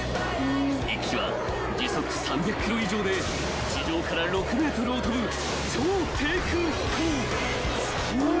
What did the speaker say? ［１機は時速３００キロ以上で地上から６ｍを飛ぶ超低空飛行］